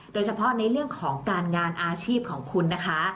โดยเฉพาะในเรื่องของการงานอาชีพของคุณนะคะ